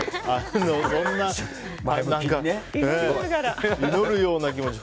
そんな祈るような気持ちで。